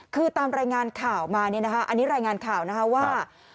คือตามรายงานข่าวมาอันนี้รายงานข่าวว่า